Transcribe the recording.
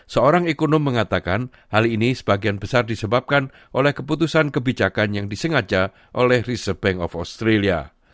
seorang ekonom mengatakan hal ini sebagian besar disebabkan oleh keputusan kebijakan yang disengaja oleh reserve bank of austria